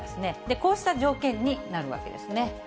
こうした条件になるわけですね。